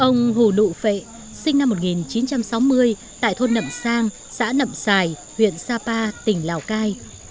ông hù nụ phệ sinh năm một nghìn chín trăm sáu mươi tại thôn nậm sang xã nậm sài huyện sapa tỉnh lào cai